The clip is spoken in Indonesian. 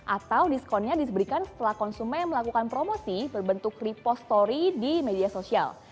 atau diskonnya diberikan setelah konsumen melakukan promosi berbentuk repost story di media sosial